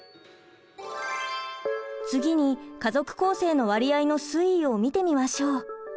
次に家族構成の割合の推移を見てみましょう。